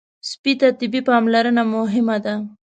سپي ته طبي پاملرنه مهمه ده.